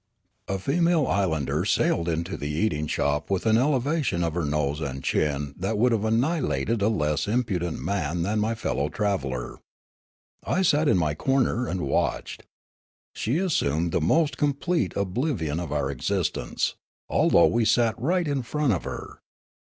A female islander sailed into the eating shop with an elevation of her nose and chin that would have annihilated a less impudent man than my fellow traveller. I sat in my corner and watched. She assumed the most complete oblivion of our existence, although we sat right in front of her.